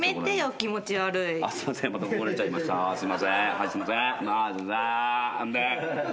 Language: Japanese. はいすいませーん。